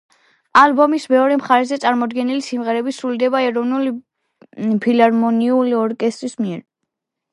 ალბომის მეორე მხარეზე წარმოდგენილი სიმღერები სრულდება ეროვნული ფილარმონიული ორკესტრის მიერ.